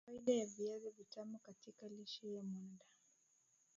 Faida ya viazi vitamu katika lishe ya mwanadamu